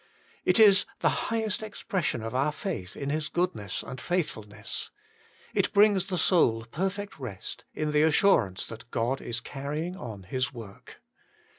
It is the highest expression of our faith in His goodness and faithfulness. It brings the soul perfect rest in the assurance that God is carrying on His work.